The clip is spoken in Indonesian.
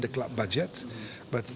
dalam budjet klub